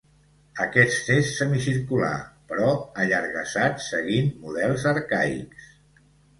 Aquest és semicircular, però allargassat, seguint models arcaics.